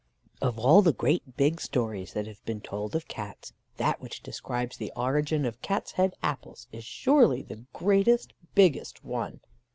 _ Of all the great big stories that have been told of Cats, that which describes the origin of Cat's head apples is surely the greatest biggest one.